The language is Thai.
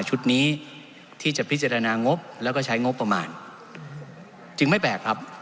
ชุดนี้ที่จะพิจารณางบแล้วก็ใช้งบประมาณจึงไม่แปลกครับ